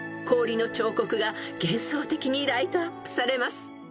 ［氷の彫刻が幻想的にライトアップされます］